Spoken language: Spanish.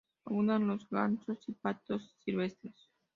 Abundan los gansos y patos silvestres.